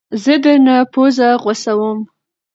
زه درنه پوزه غوڅوم